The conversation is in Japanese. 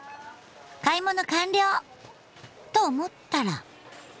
買い物完了！と思ったら。